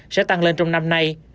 sẽ tăng lên trong năm nay